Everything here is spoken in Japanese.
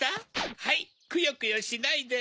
はいくよくよしないで。